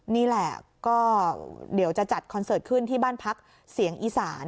นี่แหละก็เดี๋ยวจะจัดคอนเสิร์ตขึ้นที่บ้านพักเสียงอีสาน